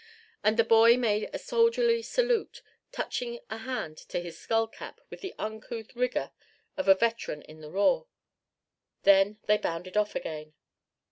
And the boy made a soldierly salute, touching a hand to his skull cap with the uncouth rigor of a veteran in the raw: then they bounded off again.